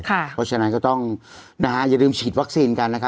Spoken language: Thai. เพราะฉะนั้นก็ต้องอย่าลืมฉีดวัคซีนกันนะครับ